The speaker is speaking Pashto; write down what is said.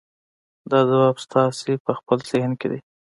دا ځواب ستاسې په خپل ذهن کې دی.